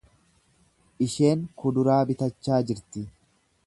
Isheen kuduraa bitachaa jirti.